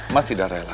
mas tidak rela